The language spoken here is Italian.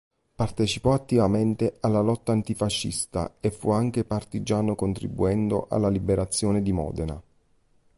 Partecipò attivamente alla lotta antifascista e fu anche partigiano contribuendo alla liberazione di Modena.